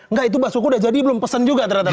nggak itu baksoku udah jadi belum pesen juga